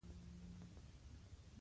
نن دی که سبا دی، دا مال دَ زرغون شاه دی